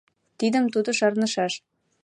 Тидым тудо шарнышаш.